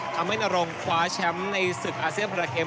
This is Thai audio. ทำให้นรงคว้าแชมป์ในศึกอาเซียนพระเทม